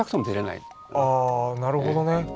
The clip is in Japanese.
ああなるほどね。